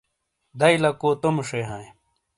دئیی لکو تومے ݜے ہائیں۔